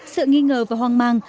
sự nghi ngờ và hoang mang